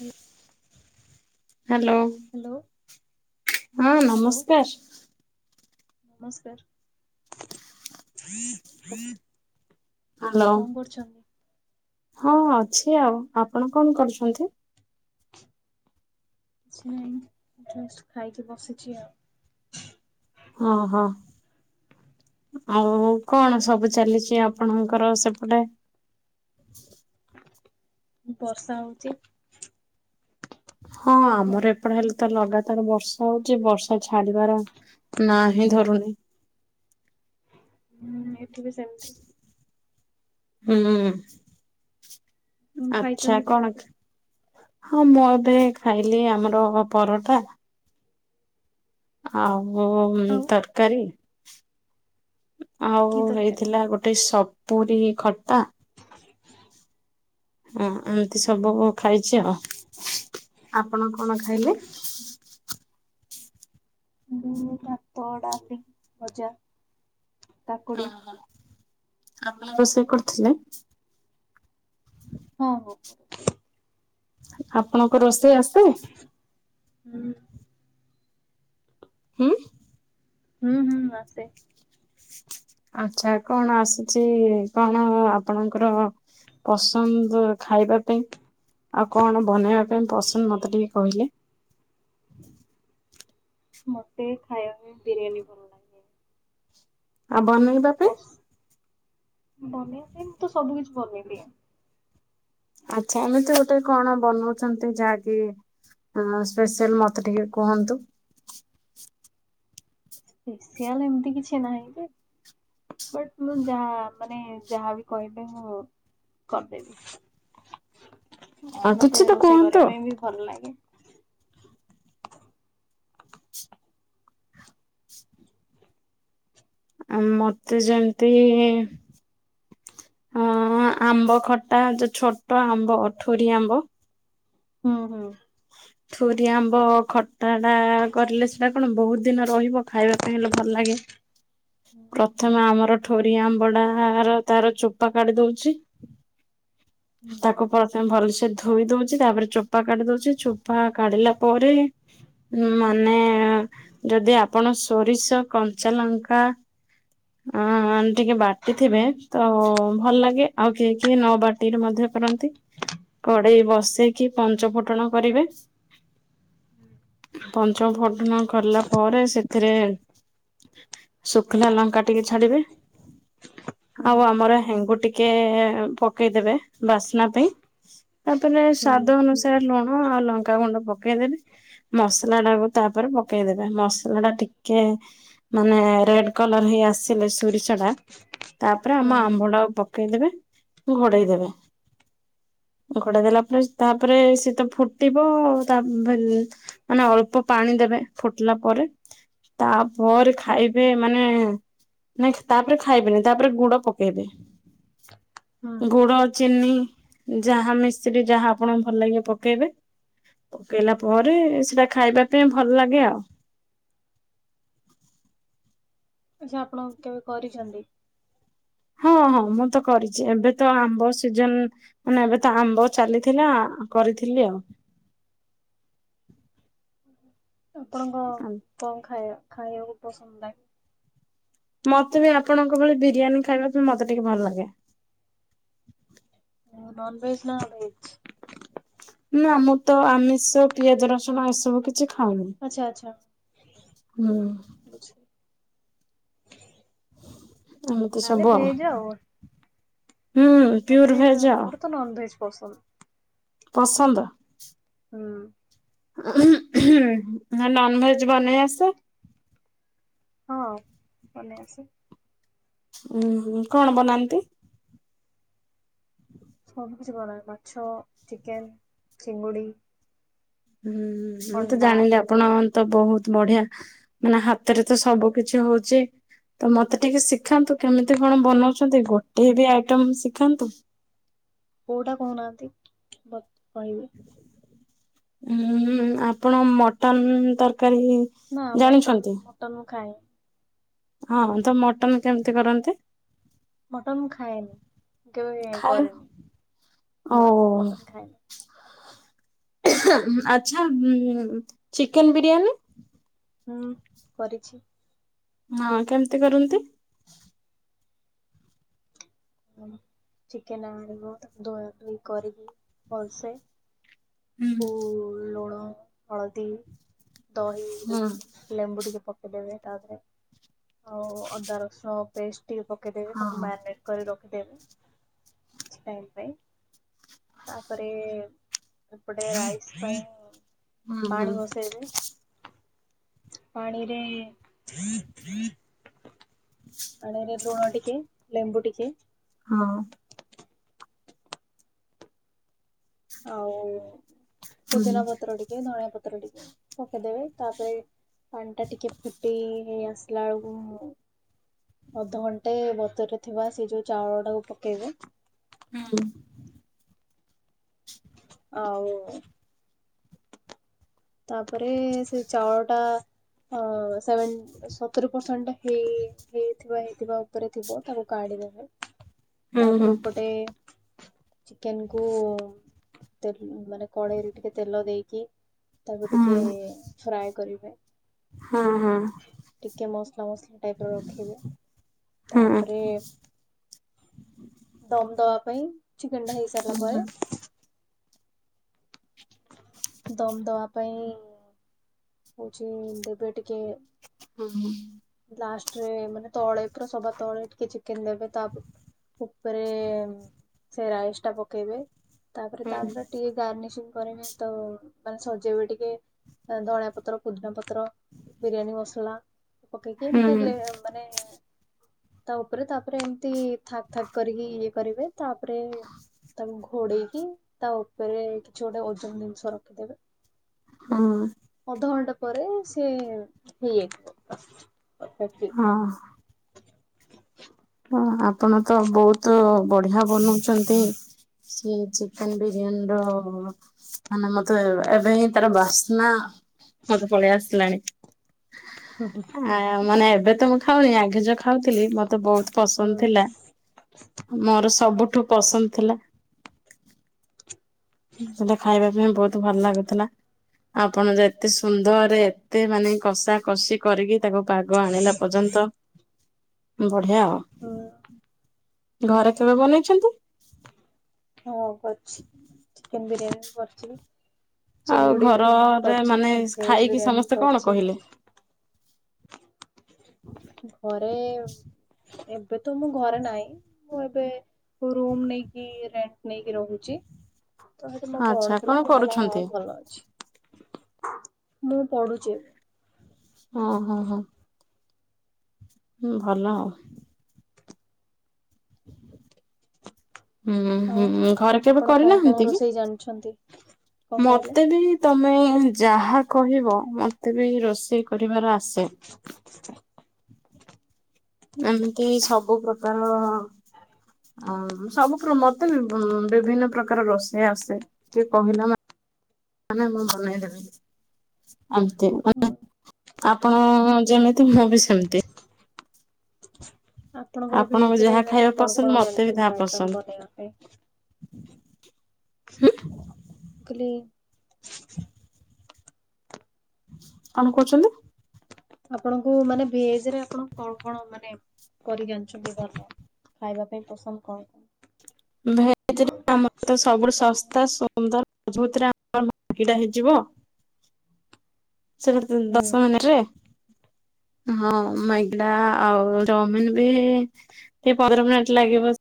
Hello. Hello. Hello. ହଁ hello ନମସ୍କାର। ନମସ୍କାର। ହ୍ୟାଲୋ କଣ କରୁଛନ୍ତି? ହଁ ଅଛି ଆଉ ଆପଣ କଣ କରୁଛନ୍ତି? କିଛି ନାଇଁ ଜଷ୍ଟ ଖାଇକି ବସିଛି ଆଉ। ହଁ ହଁ? ଆଉ କଣ ସବୁ ଚାଲିଛି ଆପଣଙ୍କର ସେପଟେ। ବର୍ଷା ହଉଚି। ହଁ କଣ ଆମର ହବ। ଏପଟା ହେଲେ ତ ଲଗାତାର ବର୍ଷା ହଉଛି ବର୍ଷା ଛାଡିବାର ନାହିଁ ଧରୁନି। ହୁଁ ଏଠି ବି ସେମତି। ହୁଁ କଣ ଆଚ୍ଛା ଖାଇଛନ୍ତି କଣ ହଁ ମୁଁ ଏବେ ଖାଇଲି ଆମର ପରଟା ଆଉ ଆଉ ତରକାରୀ ଆଉ କି ତରକାରୀ? ହେଇଥିଲା ଗୋଟେ ସପୁୁରୀ ଖଟା। ହଁ ଏମିତି ସବୁ ଖାଇଛି ଆଉ ଆପଣ କଣ ଖାଇଲେ? [unintelligible] ଭାତ ଡାଲି ଭଜା। ଓ କାକୁଡି ହ ଆପଣ ରୋଷେଇ କରିଥିଲେ। ହଁ ହଁ। ଆପଣଙ୍କ ରୋଷେଇ ଆସେ। ହୁଁ। ଉଁ। ହୁଁ ହୁଁ ଆସେ। ଆଛା କଣ ଆସୁଛି କଣ ଆପଣଙ୍କର ପସନ୍ଦ ଖାଇବା ପାଇଁ ଆଉ କଣ ବନେଇବା ପାଇଁ ପସନ୍ଦ ମତେ ଟିକେ କହିଲେ। ମୋତେ ଖାଇବା ପାଇଁ ବିରିୟାନୀ ଭଲ। ଲାଗେ। ଆଉ ବନେ ପସ୍ ବନେଇ ବା ପାଇଁ ମୁଁ ତ ସବୁ କିଛି ବନେଇ ଦିଏ। ଆଚ୍ଛା ଏମିତି ଗୋଟେ କଣ ବନଉଛନ୍ତି ଯାଗି ହଁ ସ୍ପେଶାଲ ମତେ ଟିକେ କୁହନ୍ତୁ। ପେସିଆଲ ଏମିତି କିଛି ନାହିଁ ଯେ ବଟ ମୁଁ ଯାହା ମାନେ ଯାହାବି କହିବେ ମୁଁ କରିଦେବି। କିଛି ମତେ ତ ରୋଷେଇ କୁହନ୍ତୁ କରିବା ପାଇଁ ବି ଭଲ ଲାଗେ। ମତେ ଯେମତି ହ ଆମ୍ବ ଖଟା ଯୋଉ ଛୋଟ ଆମ୍ବ ଅଠରି ଆମ୍ବ। ହୁଁ ହୁଁ। ଛୁରିଆ ଆମ୍ବ ଖଟାଟା କରିଲେ ସେଇଟା କଣ ବହୁତ ଦିନ ରହିବ ଖାଇବା ପାଇଁ ହେଲେ ଭଲ ଲାଗେ। [inaudible] ପ୍ରଥମେ ଆମର ଠୋରିଆ ଆମ୍ବଡା ର ତାର ଚୋପା କାଢି ଦଉଛି ହୁଁ। ତାକୁ ପ୍ରଥମେ ଭଲସେ ଧୋଇ ଦଉଛି ତାପରେ ଚୋପା କାଢି ଦଉଛି ଚୋପା କାଢିଲା ପରେ ମାନେ ଯଦି ଆପଣ ସୋରିଷ କଞ୍ଚା ଲଙ୍କା ହଁ ଟିକେ ବାଟି ଥିବେ ତ ଭଲ ଲାଗେ ଆଉ କେହି କେହି ନ ବାଟି ମଧ୍ୟ କରନ୍ତି କଡେଇ ବସେଇକି ପଞ୍ଚ ଫୁଟଣ କରିବେ ପଞ୍ଚ ଫୁଟଣ କଲା ପରେ ସେଥିରେ ଶୁଖିଲା ଲଙ୍କା ଟିକେ ଛାଡିବେ ଆଉ ଆମର ହେଙ୍ଗୁ ଟିକେ ପ ପକେଇଦବେ ବାସ୍ନା ପାଇଁ ତାପରେ ହୁଁ। ସ୍ଵାଦ ଅନୁସାରେ ଲୁଣ ଆଉ ଲଙ୍କାଗୁଣ୍ଡ ପକେଇଦେଲି। ମସଲାଟାକୁ ତାପରେ ପକେଇଦେବେ ମସଲାଟା ଟିକେ ମାନେ ରେଡ କଲର ହେଇ ଆସିଲେ ସୋରିଷଟା ତାପରେ ଆମ ହୁଁ ଆମ୍ବଟା ପକେଇଦେବେ ଘୋଡେଇ ଦେବେ। ଘୋଡେଇ ଦେଲା ପରେ ତାପରେ ସେ ତ ଫୁଟିବ ତା ମାନେ ଅଳ୍ପ ପାଣି ଦେବେ ଫୁଟିଲା ପରେ। ତାପରେ ଖାଇବେ ମାନେ ନାଇଁ ତାପରେ ଖାଇବେନି ତାପରେ ଗୁଡ ପକେଇବେ ଗୁଡ ଚିନି ଯାହା ମିଶ୍ରୀ ଯାହା ଆପଣ ଭଲ ଲାଗେ ପକେଇବେ? ପକେଇଲା ପରେ ସେଟା ଖାଇବା ପାଇଁ ଭଲ ଲାଗେ ଆଉ। ଆଛା ଆପଣ କେବେ କରିଛନ୍ତି? ହଁ ହଁ ମୁଁ ତ କରିଛି ଏବେ ତ ଆମ୍ବ ସିଜନ ମାନେ ଏବେ ତ ଆମ୍ବ ଚାଲିଥିଲା କରିଥିଲି ଆଉ ଆପଣଙ୍କ ଆଉ। କଣ ଖାଇବା ଖାଇବାକୁ ପସନ୍ଦ ଲାଗେ? ମତେ ବି ଆପଣଙ୍କ ଭଳି ବିରିୟାନୀ ଖାଇବା ପାଇଁ ମତେ ଟିକେ ଭଲ ଲାଗେ। ନନ୍ ଭେଜ୍ ନା ଭେଜ୍? ନା ମୁଁ ତ ଆମିଷ ପିଆଜ ରସୁଣ ଏସବୁ କିଛି କିଛି ଖାଉନି। ଆଛା ଆଛା ହୁଁ ରହୁଛି। ଏମିତି ସବୁ ତାହେଲେ ଭେଜ ଆଉ। ହୁଁ ପିଓର ମତେ ଭେଜ ଆଉ ମୋର ତ ନନଭେଜ୍ ପସନ୍ଦ। ପସନ୍ଦ। ହୁଁ। ନନଭେଜ ବନେଇ ଆସେ? ହଁ ବନେଇ ଆସେ। ଉୁଁ କଣ ବନାନ୍ତି? ସବୁ କିଛି କରେ ମାଛ ଚିକେନ ଚିଙ୍ଗୁଡି। ହୁଁ ମୁଁ ତ ଅଣ୍ଡା ଜାଣିଲି ଆପଣ ତ ବହୁତ ବଢିଆ ମାନେ ହାତରେ ତ ସବୁ କିଛି ହଉଛି। ତ ମତେ ଟିକେ ଶିଖାନ୍ତୁ କେମିତି କଣ ବନାଉଛନ୍ତି ଗୋଟେ ବି ଆଇଟମ ଶିଖାନ୍ତୁ? କୋଉଟା କହୁନାହାନ୍ତି ବତ୍ ମୁ କହିବି ଉଁ ଆପଣ ମଟନ ତରକାରୀ ନା ମଟନ୍ ଜାଣିଛନ୍ତି? ମଟନ ମୁ ଖାଏ। ହଁ ତ ମଟନ କେମିତି କରନ୍ତି? ମଟନ ଖାଏନି କେବେ ଖାଏ କରେନି ନା ମଟନ ଖାଏନି? ଆଛା ଚିକେନ ବିରିୟାନୀ? ହୁଁ କରିଛି। ହଁ କେମତି କରନ୍ତି? ଚିକେନ ଆଣିବ ତାକୁ ଧୁଆ ଧୁଇ କରିବି ଭଲସେ ଫୁ ହୁଁ ଲୁଣ, ହଳଦୀ, ଦହି ଲେମ୍ବୁ ଟିକେ ପକେଇ ଦେବେ ତାଉପରେ। ଆଉ ଅଦା ରସୁଣ ପେଷ୍ଟ ଟିକେ ପକେଇଦେବେ ହଁ ତାକୁ ମ୍ୟାରିନେଟ୍ କରି ରଖିଦେବେ କିଛି ଟାଇମ୍ ପାଇଁ। ତାପରେ ଏପଟେ ରାଇସ୍ ପାଇଁ ହୁଁ ହୁଁ। ପାଣି ବସେଇବେ ପାଣିରେ ପାଣି ରେଲୁଣ ଟିକେ ଲେମ୍ବୁ ଟିକେ ହଁ। ଆଉ ପୁଦିନା ହୁଁ ପତ୍ର ଟିକେ ଧନିଆ ପତ୍ର ଟିକେ ପକେଇଦେବେ। ତାପରେ ପାଣି ଟା ଟିକେ ଫୁଟି ହେଇ ଆସିଲା ବେଳକୁ ଅଧଘଣ୍ଟେ ବତୁରି ଥିବା ସେ ଯୋଉ ଚାଉଳ ଟାକୁ ପକେଇବେ। ହୁଁ। ଆଉ ତାପରେ ସେ ଚାଉଳ ଟା ସେଭେନ୍ ସତୁୁରି ପରସେଣ୍ଟ ହେଇ ହେଇଥିବା ହେଇଥିବା ଉପରେ ଥିବ ତାକୁ କାଢି ଦେବେ। ହୁଁ ତାପରେ ଏପଟେ ଚିକେନ୍ କୁ ତେଲ ମାନେ କଡ଼େଇରେ ଟିକେ ତେଲ ଦେଇକି ତାପରେ ହୁଁ ହୁଁ ହୁଁ ଟିକେ ଫ୍ରାଏ କରିବେ। ହଁ ହଁ। ଟିକେ ମସଲା ମସଲା ଟାଇପ ର ରଖିବେ। ହୁଁ ତାପରେ ଦମ୍ ଦବା ପାଇଁ ଚିକେନେ ଟା ହେଇ ସାରିଲା ହୁଁ ହୁଁ ପରେ ଦମ୍ ଦବା ପାଇଁ ହଉଛିି ଦେବେ ଟିକେ [unintelligible] ଲାଷ୍ଟରେ ମାନେ ତଳେ ପୁରା ସବା ତଳେ ଟିକେ ଚିକେନ ଦେବେ। ତାପ ଉପରେ ସେ ରାଇସ୍ ଟା ପକେଇବେ। ତାପରେ ତାପରେ ଟିକେ ଗାର୍ନିସିଂ କରିବେ। ତ ମାନେ ସଜେଇବେ ଟିକେ। ତାପରେ ଧଣିଆ ପତ୍ର ପୁଦିନା ପତ୍ର ବିରିୟାନୀ ମସଲା ପକେଇକି ହୁଁ ଏମିତି ଲେ ମାନେ ତା ଉପରେ ତାପରେ ଏମିତି ଥାକ୍ ଥାକ୍ କରିକି ଇଏ କରିବେ। ତାପରେ ତାକୁ ଘୋଡେଇକି ତା ଉପରେ କିଛି ଗୋଟେ ଓଜନ ଜିନିଷ ରଖିଦେବେ। ହଁ। ଅଧଘଣ୍ଟା ପରେ ସେ ହେଇଯାଇଥିବ। ହଁ। ଆପଣ ତ ବହୁତ ବଢିଆ ବନଉଛନ୍ତି। ସିଏ ଚିକେନ୍ ବିରିୟାନୀ ର ମାନେ ମତେ ଏବେ ହିଁ ତାର ବାସ୍ନା ମତେ ପଳେଇ ଆସିଲାଣି। ଆ ମାନେ ଏବେ ତ ମୁଁ ଖାଉନି। ଆଗେ ଯଉ ଖାଉଥିଲି ମତେ ବହୁତ୍ ଉଁ ପସନ୍ଦ ଥିଲା। ମୋର ସବୁଠୁ ପସନ୍ଦ ଥିଲା ହେଟା ଖାଇବା ପାଇଁ ବହୁତ୍ ଭଲ ଲାଗୁଥିଲା। ଆପଣ ଯଉ ଏତେ ସୁନ୍ଦର ରେ ଏତେ ମାନେ କଷା କଷି କରିକି ତାକୁ ପାଗ ଆଣିଲା ପର୍ଯ୍ୟନ୍ତ ବଢିଆ। ଉଁ ଘରେ କେବେ ବନେଇଛନ୍ତି? ହଁ କରଛି, ଚିକେନ୍ ବିରିୟାନୀ ବି କରିଛି ମୁଁ। ଆଉ ଚିଙ୍ଗୁଡି ବିରିୟାନୀ ବି ଘରରେ କରିଚି, ମାନେ ଭେଜ୍ ଖାଇକି ବିରିୟାନୀ ବି ସମସ୍ତେ କଣ କରିଛି। କହିଲେ? ଘରେ ଏବେ ତ ମୁଁ ଘରେ ନାହିଁ। ମୁଁ ଏବେ ରୁମ୍ ନେଇକି ରେଣ୍ଟ ନେଇକି ରହୁଚି। ତ ସେଠ ମୋ ଆଚ୍ଛା ଭଉଣୀଥିଲା କଣ ସେ କହିଲା ହଁ କରୁଛନ୍ତି? ଭଲ ଅଛି। ମୁଁ ପଢୁଛି। ହଁ, ହଁ, ହଁ। ହୁଁ ଭଲ। ହୁଁ, ଆଉ ହୁଁ ଘରେ କେବେ ଆପଣ କଣ କଣ କରିନାହାନ୍ତି କି? ରୋଷେଇ ଜାଣିଛନ୍ତି। କଣ କହିଲେ? ମୋତେ ବି ତୋମେ ଯାହା କହିବ ମୋତେ ବି ରୋଷେଇ କରିବାର ଆସେ। ଏମିତି ସବୁ ପ୍ରକାର ଆଉ ସବୁ ପୃ ମୋତେ ବୁଁ ବିଭିନ୍ନ ପ୍ରକାର ରୋଷେଇ ଆସେ। ଯିଏ କହିଲା ମା ମାନେ ମୁଁ ବନେଇ ଦେବି। ଏମତି ହୁଁ ମାନେ ଆପଣ ଯେମିତି ମୁଁ ବି ସେମିତି। ଆପଣଙ୍କର ଆପଣଙ୍କୁ ଭେଜ୍ ରେ ଯାହା ମାନେ ଖାଇବା କଣ ପସନ୍ଦ କଣ ମତେ ବି ତାହା ଜାଣଛନ୍ତି ପସନ୍ଦ ଆଇଟମ ବନେଇବା ପାଇଁ? ଖାଲି କଣ କହୁଛନ୍ତି? ଆପଣଙ୍କୁ ମାନେ ଭେଜ୍ ରେ ଆପଣ କଣ କଣ ମାନେ କରିଜାଣିଛନ୍ତି ଭଲ? ଖାଇବା ପାଇଁ ପସନ୍ଦ କଣ କଣ? ଭେଜ୍ ରେ ଆମର ତ ସବୁଠୁ ଶସ୍ତା ସୁନ୍ଦର ମଜଭୁତ୍ ରେ [inaudible] ହେଇଯିବ। ସେଟା [inaudible] ହୁଁ ଦଶ ମିନିଟ୍ ରେ। ହଁ ମାଇଗିଡ଼ା ଆଉ ଚଉମିନ ବି ହେ ସେ ପନ୍ଦର ମିନିଟ୍ ଲାଗିବ।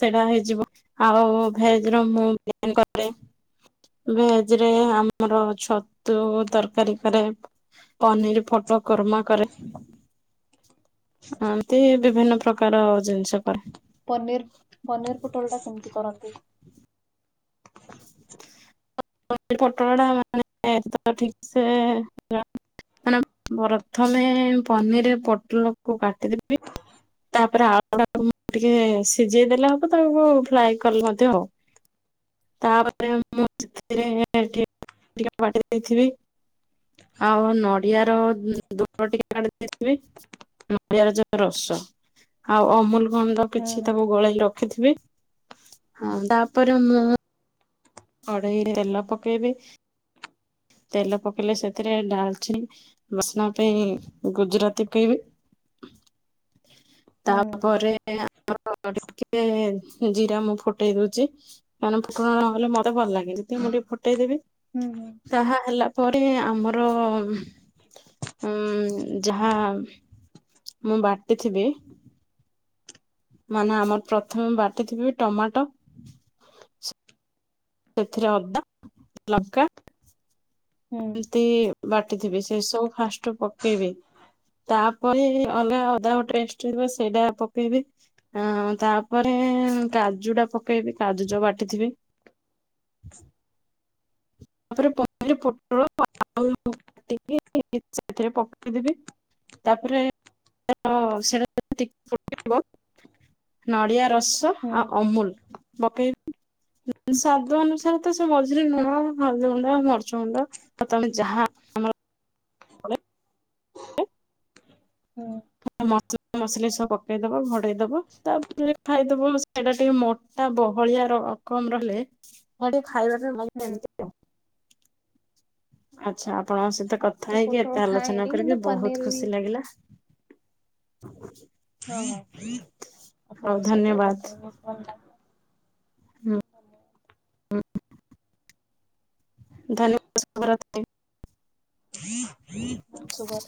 ସେଇଟା ହେଇଯିବ। ଆଉ ଭେଜ୍ ର ମୁଁ [inaudible] କରେ। ଭେଜ୍ ରେ ଆମର ଛତୁ ତରକାରୀ କରେ। ପନିର୍ ଫଟ କୁରମା କରେ। ଏମତି ବିଭିନ୍ନ ପ୍ରକାର ଜିନିଷ କରେ। ପନିର୍ ପନିର୍ ପୋଟଳ ଟା କେମିତି କରନ୍ତି? ପନିର୍ ପୋଟଳ ଟା ମାନେ [inaudible] ଠିକ ସେ [inaudible] ମାନେ ପ୍ରଥମେ ପନିର୍ ପୋଟଲକୁ କାଟିଦେବି। ତାପରେ ଆଳୁ ଟାକୁ ମୁଁ ଟିକେ ସିଜେଇ ଦେେଲେ ହବ, ତାକୁ ଫ୍ରାଏ କଲେ ମଧ୍ୟ ହବ। ତାପରେ ମୁଁ ସେଥିରେ ଏଠି ଟିକେ ବାଟି ଦେଇଥିବି। ଆଉ ନଡିଆ ର ଉଁ, ଦୁଡ ଟିକେ [inaudible] ଥିବି। ନଡ଼ିଆ ର ଯୋଉ ରସ। ଆଉ ଅମୁଲ ଗଣ୍ଡୁ ହୁଁ କିଛି ତାକୁ ଗୋଳେଇକି ରଖିଥିବି। ହଁ ତାପରେ ମୁଁ କଢେଇରେ ତେଲ ପକେଇବି, ତେଲ ପକେଇଲେ ସେଥିରେ ଡାଲଚିନି ବାସ୍ନା ପାଇଁ ଗୁଜୁରାତି କେଇବି। ହୁଁ ତାପରେ ଆ [inaudible] ଟିକେ ଜିରା ମୁଁ ଫୁଟେଇ ଦଉଚି ନନେ ଫୁଟଣ ନହେଲେ ମ ତ ଭଲ ଲାଗେ, ଦ୍ବିତୀୟ ମୁଁ ଟିକେ ଫୁଟେଇଦେବି। ହୁଁ ହୁଁ ତାହା ହେଲା ପରେ ଆମର ଉଁ, ଉଁ, ଯାହା ମୁଁ ବାଟି ଥିବି ମାନେ ଆମର ପ୍ରଥମେ ବାଟି ଥିବି ଟମାଟୋ ସେଥିରେ ଅଦା, ଲଙ୍କା ହୁଁ ତି ବାଟିଥିବେ ସେ ସବୁ ଫାଷ୍ଟ ପକେଇବେ। ତାପରେ ଅଲଗା ଅଦା ଟେଷ୍ଟ ସେଇଟା ପକେଇବେ। ଅଁ ତାପରେ କାଜୁ ଟା ପକେଇବି, କାଜୁ ଯୋଉ ବାଟିଥିବେ। ତାପରେ ପନିର ପୋଟଳ ଆୟ କାଟିକି ସେଇଥିରେ ପକେଇଦେବେ। ତାପରେ ସେଟା [unintelligible] ନଡ଼ିଆ ରସ ତ ହୁଁ ଆଉ ଅମୁଲ ପକେଇବି, ସ୍ଵାଦ ଅନୁସାରେ ତ ସେ ମଝିରେ ଲୁଣ ହଳଦୀ ଗୁଣ୍ଡ, ମରିଚ୍ ଗୁଣ୍ଡ ଆଉ ତମେ ଯାହା ହୁଁ। ମସଲା ମସଲି ସବୁ ପକେଇଦବ, ଭୋଡେଇ ଦବ, ତାପରେ ଖାଇଦବ, ସେଇଟା ଟିକେ ମ ଟା ବହଳିଆ ରକମ୍ ରହିଲେ, ସେଟା ଖାଇବାରେ ହୁଁ ଭାଗିଯାନ୍ତି। ଆଚ୍ଛା ଆପଣଙ୍କ ସହିତ ହୁଁ କଥା ତୁ ହେଇକି, ପୋଟଳ ଏତେ ଆଲୋଚନା ଖାଏନି କରିକି କିନ୍ତୁ ବହୁତ ପନିର ବି ଖୁସି ଲାଗିଲା। [inaudible] ହଁ ଆଉ ଆପଣଙ୍କ ସହିତ ବି ଧନ୍ୟବାଦ। କଥା ହେଇ ବହୁତ୍ ଭଲ ଲାଗିଲା। ହମ ହୁଁ ଧାନ ଚାଷ କରନ୍ତି। ମାମ ଶୁଭା